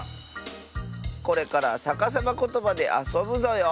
これからさかさまことばであそぶぞよ。